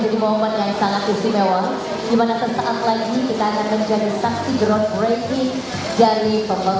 dan saya akan berikan ve lampunan